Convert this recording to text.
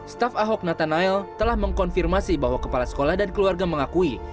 staf ahok nata nael telah mengkonfirmasi bahwa kepala sekolah dan keluarga mengakui